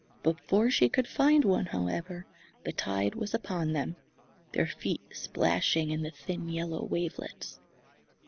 Before she could find one, however, the tide was upon them, their feet splashing in the thin yellow wavelets.